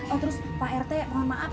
oh terus pak rt mohon maaf